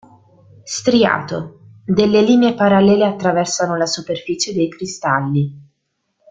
Striato: delle linee parallele attraversano la superficie dei cristalli.